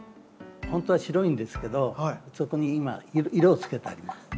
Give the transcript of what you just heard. ほんとは白いんですけどそこに今色をつけてあります。